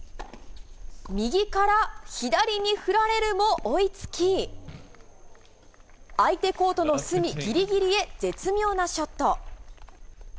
右から左に振られるも追いつき、相手コートの隅ぎりぎりへ絶妙なショット。